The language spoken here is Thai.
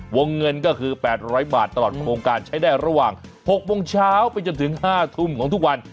วงเงินก็คือ๘๐๐บาทตลอดโครงการใช้ได้ระหว่าง๖โมงเช้าไปจนถึง๕ทุ่มของทุกวัน